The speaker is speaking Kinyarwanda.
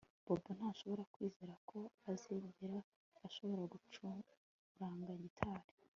Bobo ntashobora kwizera ko azigera ashobora gucuranga gitari